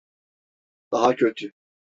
Daha kötü.